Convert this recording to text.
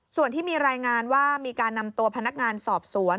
ส่วนที่มีรายงานว่ามีการนำตัวพนักงานสอบสวน